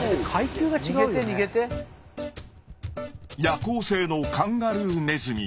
夜行性のカンガルーネズミ。